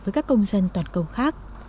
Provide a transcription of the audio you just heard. với các công dân toàn cầu khác